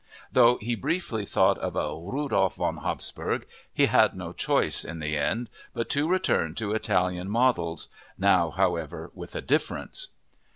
Though he briefly thought of a Rudolf von Habsburg, he had no choice, in the end, but to return to Italian models—now, however, with a difference!